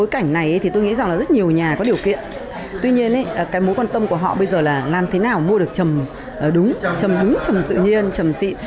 cái mối quan tâm của họ bây giờ là làm thế nào mua được chầm đúng chầm đúng chầm tự nhiên chầm xịn